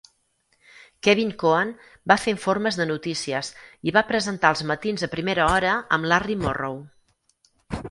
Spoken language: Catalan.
Kevin Coan va fer informes de notícies i va presentar els matins a primera hora amb Larry Morrow.